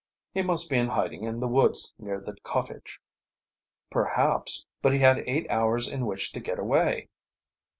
"He must be in hiding in the woods near the cottage." "Perhaps, but he had eight hours in which to get away."